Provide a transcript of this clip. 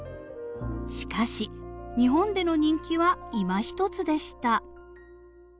しかし日本での人気はいまひとつでした。